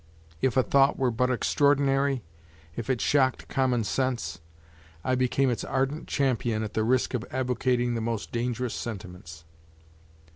If a thought were but extraordinary, if it shocked common sense, I became its ardent champion at the risk of advocating the most dangerous sentiments.